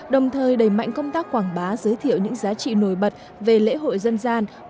đồng thời đẩy mạnh công tác quảng bá giới thiệu những giá trị nổi bật về lễ hội dân gian